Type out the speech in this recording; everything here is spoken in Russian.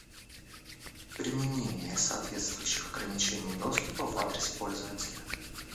Применение соответствующих ограничений доступа в адрес пользователя